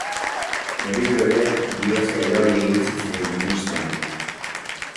Berriro ere, bihotza irauli egin zitzaion Winstoni.